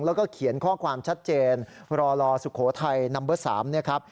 แล้วก็เขียนข้อความชัดเจนรลสุโขทัยนัมเบอร์๓